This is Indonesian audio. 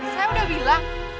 saya udah bilang